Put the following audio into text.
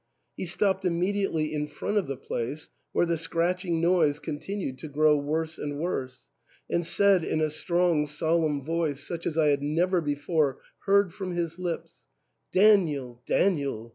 He stopped immediately in front of the place, where the scratching noise continued to grow worse and worse, and said in a strong solemn voice, such as I had never before heard from his lips, "Daniel, Daniel!